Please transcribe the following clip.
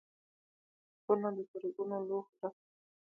خونه د زرګونو لوحو ډکه ده.